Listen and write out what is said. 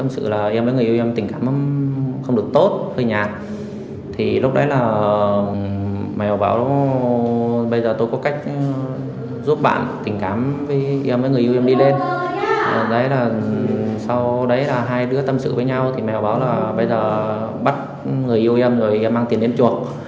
sau đấy là hai đứa tâm sự với nhau thì mèo báo là bây giờ bắt người yêu em rồi em mang tiền đến chuộc